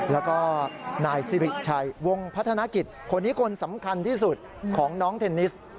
แล้วก็นายสิริชัยวงพัฒนกิจคนนี้คนสำคัญที่สุดของน้องเทนนิส